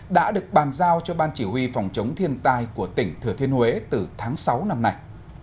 đã được bàn giao cho ban chỉ huy phòng chống thiên tai của tỉnh thừa thiên huế từ tháng sáu năm nay